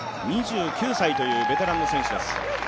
２９歳というベテランの選手です。